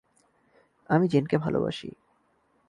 আমি জেনকে ভালোবাসি।